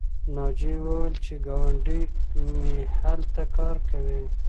ناجیې وویل چې ګاونډۍ مې هلته کار کوي